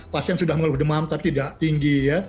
pasien sudah mengeluh demam tapi tidak tinggi ya